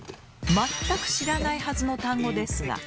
まったく知らないはずの単語ですが。